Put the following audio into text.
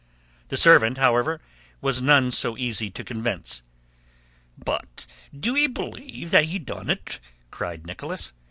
The servant, however, was none so easy to convince. "But do ee believe that he done it?" cried Nicholas.